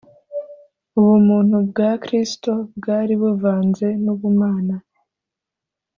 Ubumuntu bwa Kristo bwari buvanze n’Ubumana;